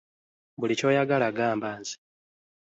Buli ky'oyagala gamba nze.